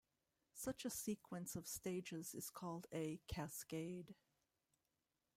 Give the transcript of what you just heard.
Such a sequence of stages is called a "cascade".